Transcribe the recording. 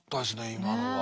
今のは。